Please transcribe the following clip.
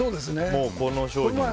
この商品は。